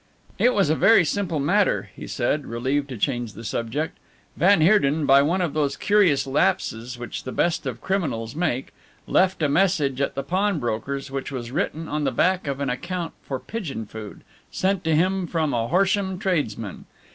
"It was a very simple matter," he said, relieved to change the subject, "van Heerden, by one of those curious lapses which the best of criminals make, left a message at the pawnbroker's which was written on the back of an account for pigeon food, sent to him from a Horsham tradesman.